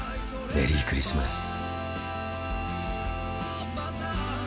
メリークリスマス